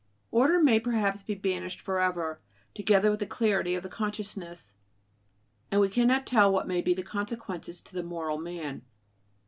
Order may perhaps be banished for ever, together with the clarity of the consciousness; and we cannot tell what may be the consequences to the "moral man."